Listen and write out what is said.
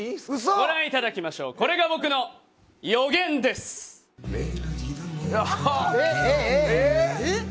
ご覧いただきましょうこれが僕のええ。